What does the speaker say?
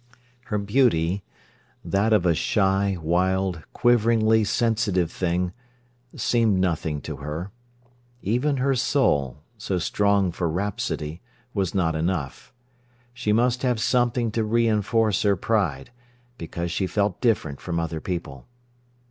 Her beauty—that of a shy, wild, quiveringly sensitive thing—seemed nothing to her. Even her soul, so strong for rhapsody, was not enough. She must have something to reinforce her pride, because she felt different from other people.